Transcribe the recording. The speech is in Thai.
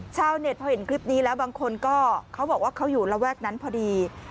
ชาวเน็ตพอเห็นคลิปนี้แล้วบางคนก็เขาบอกว่าเขาอยู่ระแวกนั้นพอดี